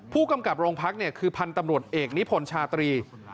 ผู้กำกับโรงพักคือพันธ์ตำรวจเอกนิพนธ์ชาตรี